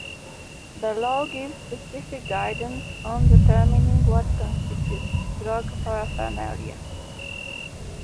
The law gives specific guidance on determining what constitutes drug paraphernalia.